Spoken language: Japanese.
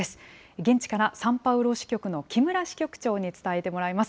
現地からサンパウロ支局の木村支局長に伝えてもらいます。